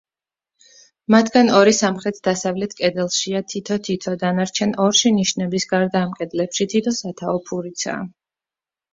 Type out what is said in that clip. მათგან ორი სამხრეთ-დასავლეთ კედელშია თითო-თითო, დანარჩენ ორში ნიშების გარდა ამ კედლებში თითო სათაო ფურიცაა.